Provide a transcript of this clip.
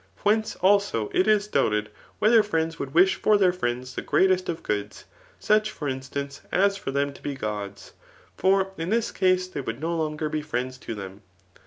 Whence, also, it is doubted, whether friends would wish for their frirads the greatest of goods, such, for instance, as for them to be gods ; for in this case they would no longer be friends to them.